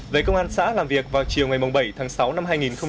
về công an xã làm việc vào chiều ngày bảy tháng sáu năm hai nghìn một mươi sáu